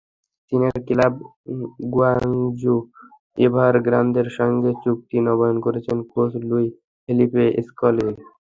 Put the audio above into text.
চীনের club Guangzhou এভারগ্রান্দের সঙ্গে চুক্তি নবায়ন করেছেন কোচ লুই ফেলিপে স্কলারি।